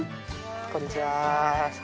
こんにちは。